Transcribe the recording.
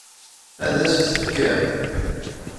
Ad as-tt-tefkem?